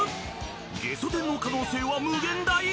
ゲソ天の可能性は無限大！？